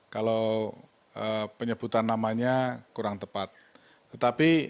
kalau penyebutan namanya kurang tepat